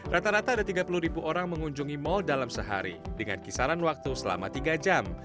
rata rata ada tiga puluh ribu orang mengunjungi mal dalam sehari dengan kisaran waktu selama tiga jam